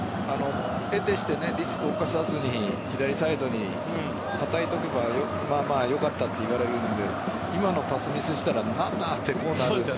得てしてリスクを冒さずに左サイドにはたいておけばまあまあよかったと言われるので今のパスミスしたら何だとなるんです。